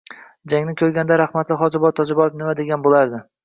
Jangni koʻrganda rahmatli Hojiboy Tojiboyev nima degan boʻlardi?